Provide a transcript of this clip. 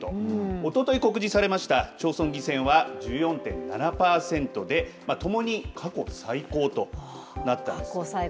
おととい告示されました町村議選は１４．７パーセントでともに過去最高と過去最高。